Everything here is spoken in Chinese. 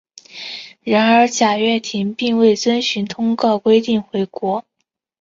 然而贾跃亭并未遵守通告规定回国。